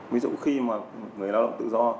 ví dụ khi mà người lao động tự do